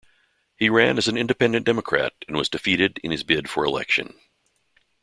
He ran as an Independent Democrat and was defeated in his bid for election.